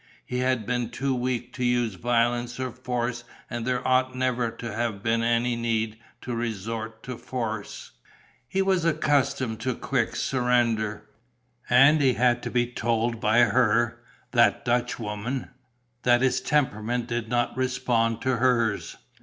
He had been too weak to use violence or force and there ought never to have been any need to resort to force: he was accustomed to a quick surrender. And he had to be told by her, that Dutchwoman, that his temperament did not respond to hers!